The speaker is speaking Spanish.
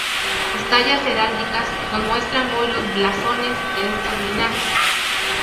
Sus tallas heráldicas nos muestran hoy los blasones de estos linajes.